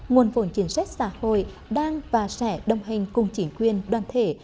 nguồn phổn chiến sách xã hội đang và sẽ đồng hành cùng chính quyền đoàn thể